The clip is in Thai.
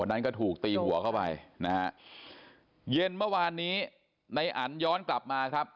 นั้นก็ถูกตีหัวเข้าไปนะฮะเย็นเมื่อวานนี้ในอันย้อนกลับมาครับ